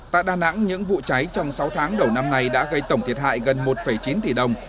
tại đà nẵng những vụ cháy trong sáu tháng đầu năm nay đã gây tổng thiệt hại gần một chín tỷ đồng